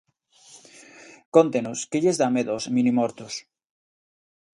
Cóntenos, que lles dá medo aos minimortos?